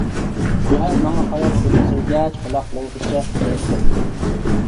گۆھەر ماڭا قاراپ كۈلۈمسىرىگەچ قۇلاقلىرىغىچە قىزىرىپ كەتتى.